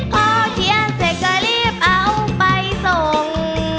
พอเขียนเสร็จก็รีบเอาไปส่ง